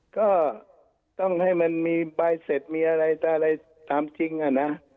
ก็ต้องให้มันมีปลายเสร็จมีอะไรตามจริงอ่ะนะ